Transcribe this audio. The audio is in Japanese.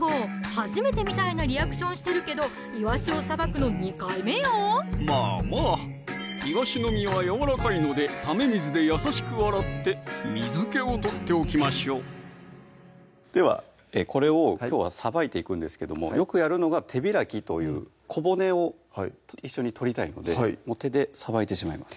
初めてみたいなリアクションしてるけどいわしをさばくの２回目よまぁまぁいわしの身はやわらかいので溜め水で優しく洗って水気を取っておきましょうではこれをきょうはさばいていくんですけどもよくやるのが手開きという小骨を一緒に取りたいので手でさばいてしまいます